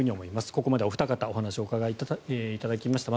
ここまでお二方にお話をお伺いしました。